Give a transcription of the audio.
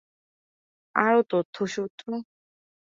আরো তথ্যসূত্র